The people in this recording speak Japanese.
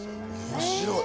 面白い。